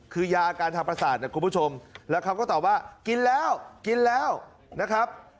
คือยาอาการทางประสาทนะคุณผู้ชมแล้วเขาก็ตอบว่ากินแล้วกินแล้วนะครับ